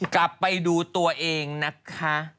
กลับไปดูตัวเองนะคะ